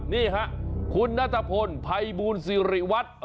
นี่ค่ะคุณนัทพลภัยบูลสิริวัตร